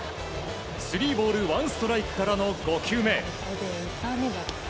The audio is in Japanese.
スリーボールワンストライクからの５球目。